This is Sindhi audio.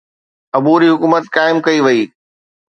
عبوري حڪومت قائم ڪئي وئي.